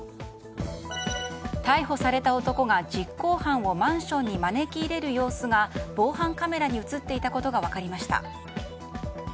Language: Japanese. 逮捕された男が実行犯をマンションに招き入れる様子が防犯カメラに映っていたことが分かりました。